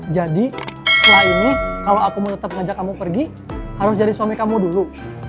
jadi setelah ini kalau aku mau tetap ngajak kamu pergi harus jadi suami kamu dulu